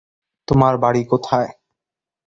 তোমার বাড়ি কোথায়?